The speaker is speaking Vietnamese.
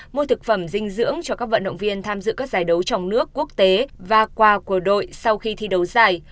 mua thực phẩm dinh dưỡng cho các vận động viên tham dự các giải đấu trong nước quốc tế và quà của đội sau khi thi đấu giải